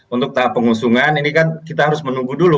untuk tahap pengusungan ini kan kita harus menunggu dulu